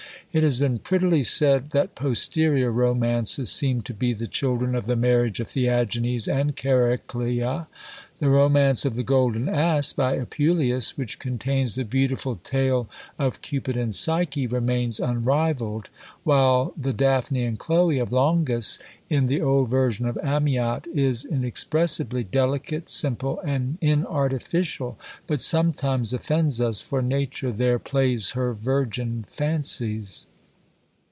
It has been prettily said, that posterior romances seem to be the children of the marriage of Theagenes and Chariclea. The Romance of "The Golden Ass," by Apuleius, which contains the beautiful tale of "Cupid and Psyche," remains unrivalled; while the "Däphne and Chloe" of Longus, in the old version of Amyot, is inexpressibly delicate, simple, and inartificial, but sometimes offends us, for nature there "plays her virgin fancies."